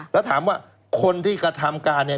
แล้วถามว่าคนที่กระทำการเนี่ย